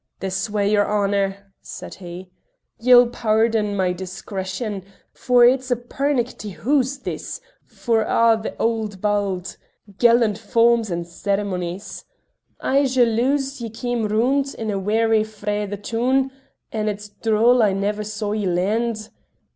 "This way, your honour," said he. "Ye'll paurdon my discretion, for it's a pernikity hoose this for a' the auld bauld, gallant forms and ceremonies. I jalouse ye came roond in a wherry frae the toon, and it's droll I never saw ye land.